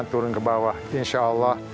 turun ke bawah insyaallah